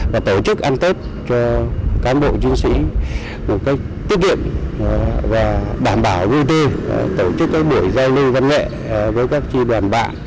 và tổ chức ăn tết cho cán bộ chiến sĩ một cách tiết kiệm và đảm bảo vui tư tổ chức các buổi giao lưu văn nghệ với các chi đoàn bạ